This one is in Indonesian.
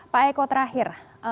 pak eko terakhir